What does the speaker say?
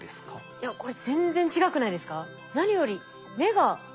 いやこれ全然違くないですか？